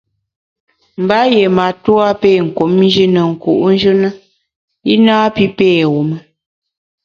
Mba yié matua pé kum Nji ne nku’njù na i napi pé wum.